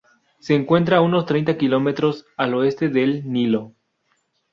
Se encuentra a unos treinta kilómetros al oeste del Nilo.